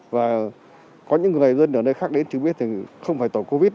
và có những người dân ở đây khác đến chứng biết thì không phải tổ covid